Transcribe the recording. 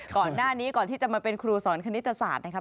ก่อนหน้านี้ก่อนที่จะมาเป็นครูสอนคณิตศาสตร์นะครับ